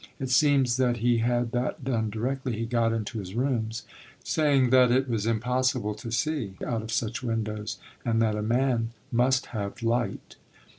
It seems that he had that done directly he got into his rooms, saying that it was impossible to see out of such windows, and that a man must have light.